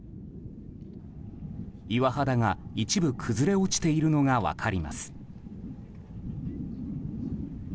岩肌が一部崩れ落ちているのが分かります。